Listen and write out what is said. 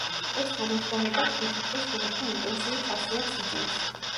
ეს თანამშრომლობა დღითიდღე სულ უფრო ინტენსიურ ხასიათს იძენს.